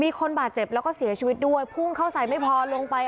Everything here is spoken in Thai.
มีคนบาดเจ็บแล้วก็เสียชีวิตด้วยพุ่งเข้าใส่ไม่พอลงไป